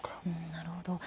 なるほど。